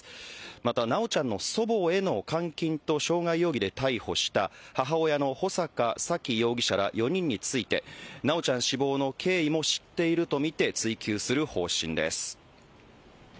また修ちゃんの祖母への監禁と傷害容疑で逮捕した母親の穂坂沙喜容疑者ら４人について修ちゃん死亡の経緯も知っているとみて追及する方針です。